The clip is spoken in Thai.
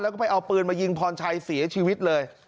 แล้วก็ไปเอาปืนมายิงพรชัยเสียชีวิตเลย